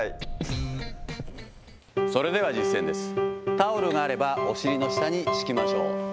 タオルがあれば、お尻の下に敷きましょう。